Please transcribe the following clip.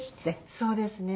そうですね。